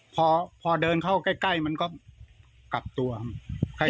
พอเดินเข้าใกล้มันก็กลับตัวครับ